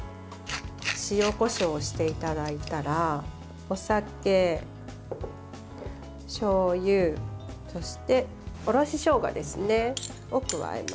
塩、こしょうしていただいたらお酒、しょうゆ、そしておろししょうがを加えます。